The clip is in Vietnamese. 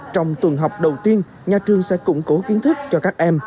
trong tuần học đầu tiên nhà trường sẽ củng cố kiến thức cho các em